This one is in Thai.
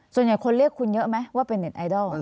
ส่วนใหญ่คนเรียกคุณเยอะไหมว่าเป็นเน็ตไอดอล